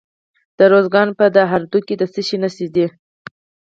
د ارزګان په دهراوود کې د څه شي نښې دي؟